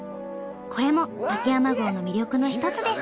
これも秋山郷の魅力の一つです。